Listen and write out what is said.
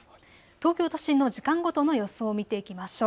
東京都心の時間ごとの予想を見ていきましょう。